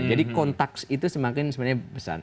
jadi kontaks itu semakin sebenarnya besar